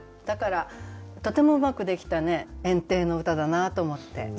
だからとてもうまくできた園庭の歌だなと思って。